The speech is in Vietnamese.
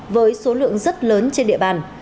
với số lượng rất lớn trên địa bàn